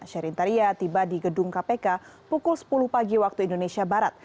sherin taria tiba di gedung kpk pukul sepuluh pagi waktu indonesia barat